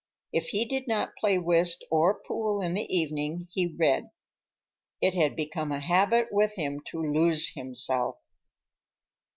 If he did not play whist or pool in the evening, he read. It had become a habit with him to lose himself.